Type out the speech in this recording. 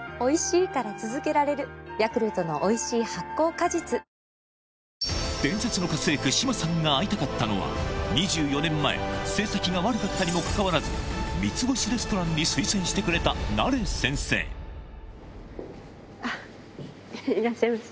さらに笑点メンバー、桂宮治伝説の家政婦、志麻さんが会いたかったのは、２４年前、成績が悪かったにもかかわらず、三ツ星レストランに推薦してくれあっ、いらっしゃいました。